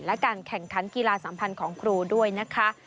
และการแข่งขันกีฬาสัมพันธ์ของครูด้วยนะคะ